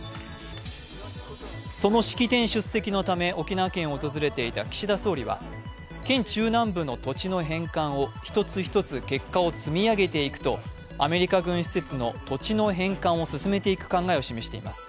その式典出席のため、沖縄県を訪れていた岸田総理は県中南部の土地の返還を１つ１つ結果を積み上げていくとアメリカ軍施設の土地の返還を進めていく考えを示しています。